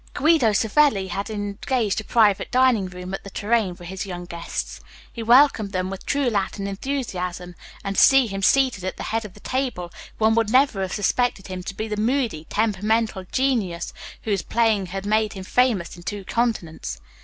Guido Savelli had engaged a private dining room at the "Tourraine" for his young guests. He welcomed them with true Latin enthusiasm, and to see him seated at the head of the table one would never have suspected him to be the moody, temperamental genius whose playing had made him famous in two continents.